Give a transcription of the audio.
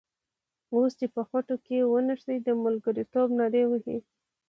اوس چې په خټو کې ونښتې د ملګرتوب نارې وهې.